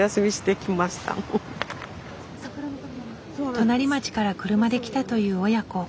隣町から車で来たという親子。